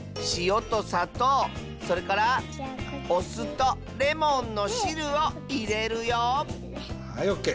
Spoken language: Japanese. それからおすとレモンのしるをいれるよはいオッケー。